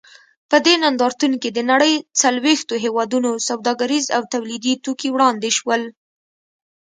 په دې نندارتون کې د نړۍ څلوېښتو هېوادونو سوداګریز او تولیدي توکي وړاندې شول.